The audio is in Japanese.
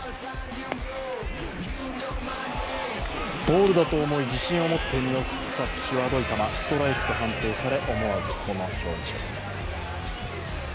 ボールだと思い、自信を持って見送った際どい球をストライクと判定され、思わずこの表情。